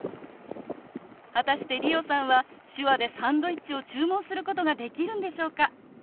果たして理央さんは手話でサンドイッチを注文することができるんでしょうか？